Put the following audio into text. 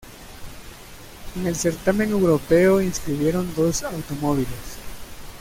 En el certamen europeo inscribieron dos automóviles.